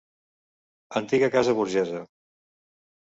Antiga casa burgesa.